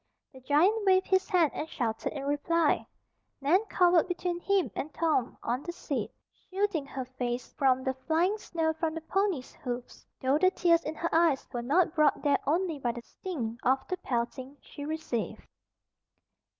The giant waved his hand and shouted in reply. Nan cowered between him and Tom, on the seat, shielding her face from the flying snow from the ponies' hoofs, though the tears in her eyes were not brought there only by the sting of the pelting she received.